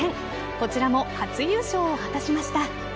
こちらも初優勝を果たしました。